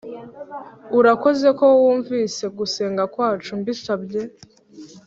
Urakoze ko wumvise gusenga kwacu mbisabye